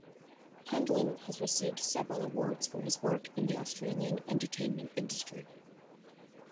Handlin has received several awards for his work in the Australian entertainment industry.